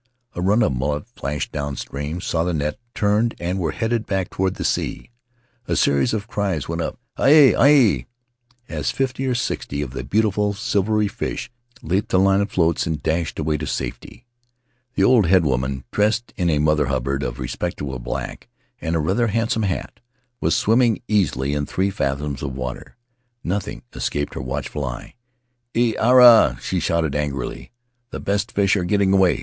A run of mullet flashed downstream, saw the net, turned, and were headed back toward the sea. A series of cries went up —" Aue! Aue!" — as fifty or sixty of the beautiful silvery fish leaped the line of floats and dashed away to safety. The old headwoman, dressed in a Mother Hubbard of respectable black and a rather handsome hat, was swimming easily in three fathoms of water; nothing escaped her watchful eye. "E ara!" she shouted, angrily; "the best fish are getting away!